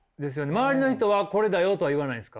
周りの人はこれだよとは言わないんですか？